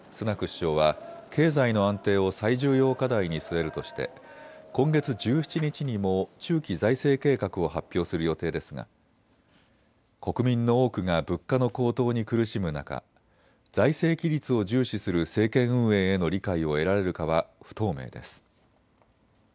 首相は経済の安定を最重要課題に据えるとして今月１７日にも中期財政計画を発表する予定ですが国民の多くが物価の高騰に苦しむ中、財政規律を重視する政権運営への理解を得られるかは不透明です。